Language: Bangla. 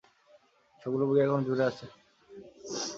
সবগুলো বগি এখনও জুরে আছে।